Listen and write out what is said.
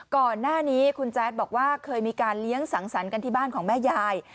ก่อนหน้านี้คุณแจ๊ดบอกว่าเคยมีการเลี้ยงสังสรรค์กันที่บ้านของแม่ยาย